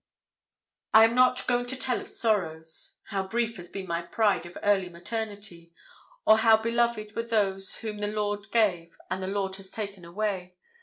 I am not going to tell of sorrows how brief has been my pride of early maternity, or how beloved were those whom the Lord gave and the Lord has taken away.